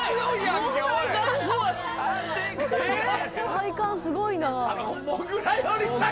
体幹すごいな。